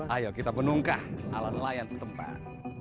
ayo kita menungkah ala nelayan setempat